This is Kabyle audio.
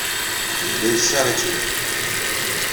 Yebda issaɣ-itt wedfel.